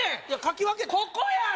いやかき分けここや！